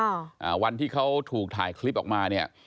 อ่าวันที่เขาถูกถ่ายคลิปออกมาเนี้ย